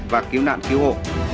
và cứu nạn cứu hộ